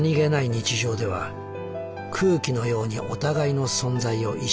日常では空気のようにお互いの存在を意識しない。